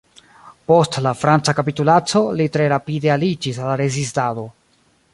Post la franca kapitulaco, li tre rapide aliĝis al la rezistado.